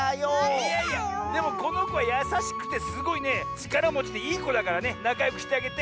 でもこのこはやさしくてすごいねちからもちでいいこだからねなかよくしてあげて。